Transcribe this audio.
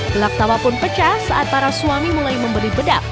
gelak tawa pun pecah saat para suami mulai memberi bedak